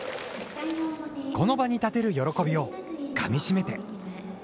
この場に立てる喜びをかみしめて。